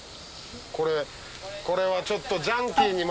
これこれはちょっと。